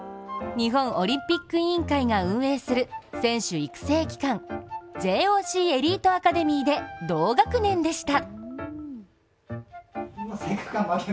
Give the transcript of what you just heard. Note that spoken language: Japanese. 日本オリンピック委員会が運営する選手育成機関ＪＯＣエリートアカデミーで同学年でした。